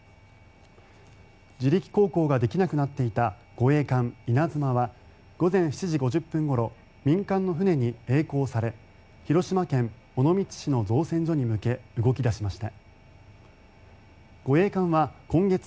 自力航行ができなくなっていた護衛艦「いなづま」は午前７時５０分ごろ民間の船にえい航され広島県尾道市の造船所に向け動き出しました。